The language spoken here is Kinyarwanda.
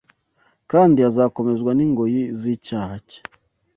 kandi azakomezwa n’ingoyi z’icyaha cye”